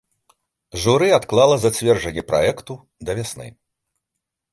Журы адклала зацвярджэнне праекту да вясны.